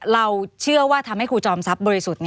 เราเชื่อว่าทำให้ครูจอมทรัพย์บริสุทธิ์